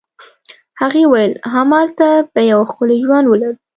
هغې وویل: همالته به یو ښکلی ژوند ولرو.